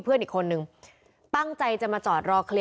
พวกมันต้องกินกันพี่